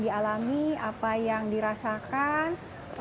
dialami apa yang dirasakan